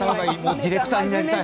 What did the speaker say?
ディレクターになりたい。